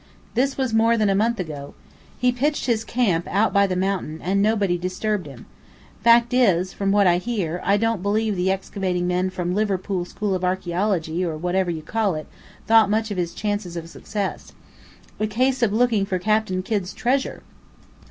This was more than a month ago. He pitched his camp out by the mountain, and nobody disturbed him. Fact is, from what I hear, I don't believe the excavating men from the Liverpool School of Archeology or whatever you call it, thought much of his chances of success. A case of looking for Captain Kidd's treasure!